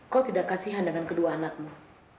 kau tidak kasih handangan kedua anakmu